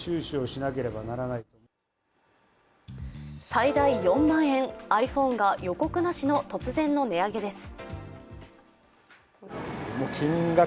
最大４万円、ｉＰｈｏｎｅが予告なしの突然の値上げです。